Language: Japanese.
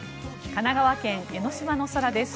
神奈川県・江の島の空です。